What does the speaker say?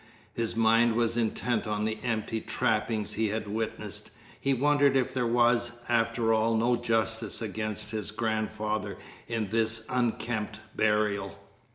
His mind was intent on the empty trappings he had witnessed. He wondered if there was, after all, no justice against his grandfather in this unkempt burial.